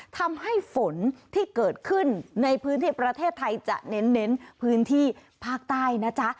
ทำให้ฝนที่เกิดขึ้นในพื้นที่ประเทศไทยจะเน้นพื้นที่ภาคใต้นะจ๊ะ